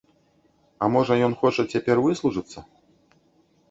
А можа ён хоча цяпер выслужыцца?